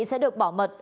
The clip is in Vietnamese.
sẽ được bảo mật